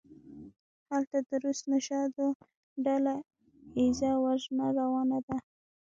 هلته د روس نژادو ډله ایزه وژنه روانه ده.